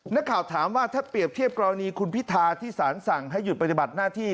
นักข่าวถามว่าถ้าเปรียบเทียบกรณีคุณพิธาที่สารสั่งให้หยุดปฏิบัติหน้าที่